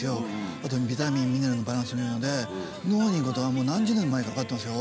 あとビタミンミネラルのバランスもいいので脳にいいことはもう何十年も前から分かってますよ。